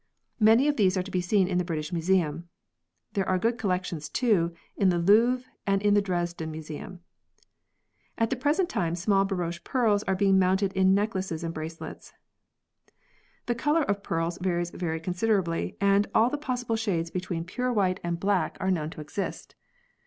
Many of these are to be seen in the British Museum. There are good collections, too, in the Louvre and in the Dresden Museum. At the present time small baroche pearls are being mounted in necklets and bracelets. The colour of pearls varies very considerably, and all the possible shades between pure white and black v] PEARLS 63 are known to exist.